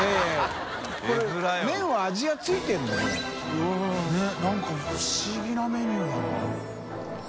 佑何か不思議なメニューだな。